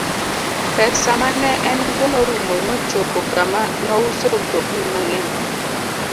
Pesa ma ne en go norumo mochopo kama nouso mtokni mang'eny.